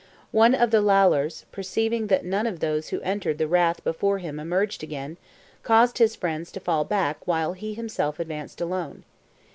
One of the Lalors, perceiving that none of those who entered the rath before him emerged again, caused his friends to fall back while he himself advanced alone.